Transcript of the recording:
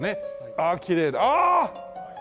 ああきれいああ！